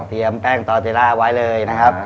เตรียมแป้งตอเจฬ่าไว้เลยนะครับ